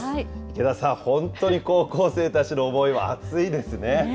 池田さん、本当に高校生たちの思いは熱いですね。